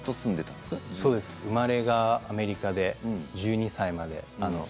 そうですよ、生まれがアメリカで１２歳まで。